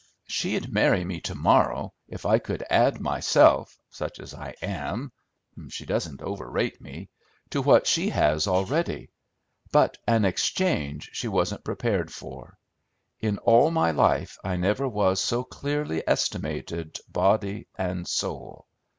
She'd marry me to morrow if I could add myself, such as I am, she doesn't overrate me, to what she has already; but an exchange she wasn't prepared for. In all my life I never was so clearly estimated, body and soul.